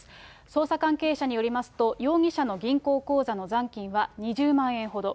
捜査関係者によりますと、容疑者の銀行口座の残金は、２０万円ほど。